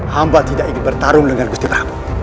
hamba tidak ingin bertarung dengan gusti prabu